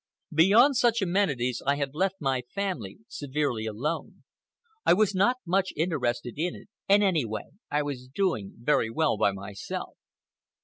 Beyond such amenities I had left my family severely alone. I was not much interested in it, and anyway I was doing very well by myself.